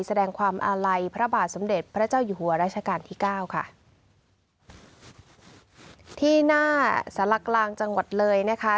แสดงความอาลัยพระบาทสมเด็จพระเจ้าอยู่หัวราชการที่เก้าค่ะที่หน้าสารกลางจังหวัดเลยนะคะ